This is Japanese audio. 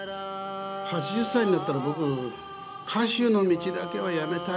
８０歳になったら僕、歌手の道だけは辞めたい。